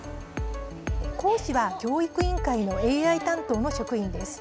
講師は教育委員会のＡＩ担当の職員です。